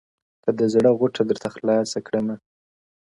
كه د زړه غوټه درته خلاصــه كــړمــــــه؛